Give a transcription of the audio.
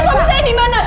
suami saya dimana